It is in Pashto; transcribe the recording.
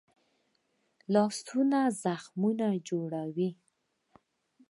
لاسونه زخمونه جوړوي